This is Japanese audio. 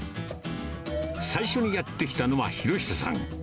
最初にやって来たのは浩久さん。